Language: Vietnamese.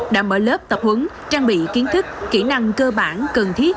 đã mở lớp tập huấn trang bị kiến thức kỹ năng cơ bản cần thiết